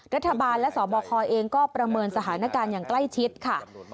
รัฐบาลและสบคเองก็ประเมินสถานการณ์อย่างใกล้ชิดค่ะ